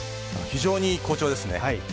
非常に好調ですね。